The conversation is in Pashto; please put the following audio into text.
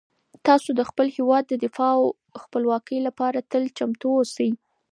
تاسو د خپل هیواد د دفاع او خپلواکۍ لپاره تل چمتو اوسئ.